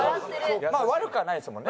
悪くはないですもんね